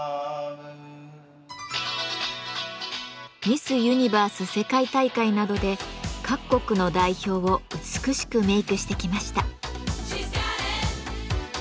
ミス・ユニバース世界大会などで各国の代表を美しくメークしてきました。